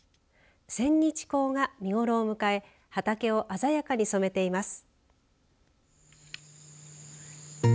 センニチコウが見頃を迎え畑を鮮やかに染めています。